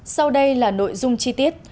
sau đây là nội dung chi tiết